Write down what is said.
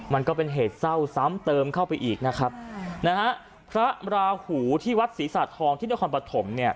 มันก็เป็นเหตุเศร้าซ้ำเติมเข้าไปอีกนะครับนะฮะพระราหูที่วัดศรีสะทองที่นครปฐมเนี่ย